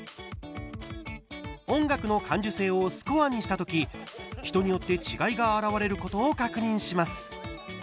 音楽の感受性をスコアにした時人によって違いが表れることを確認します。